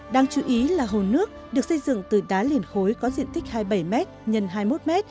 đáng chú ý là hồ nước được xây dựng từ đá liền khối có diện tích hai mươi bảy m x hai mươi một m